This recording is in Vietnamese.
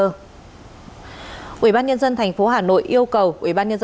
ubnd tp hà nội yêu cầu ubnd tp hà nội đảm bảo tiêm vaccine phòng covid một mươi chín cho các đối tượng nguy cơ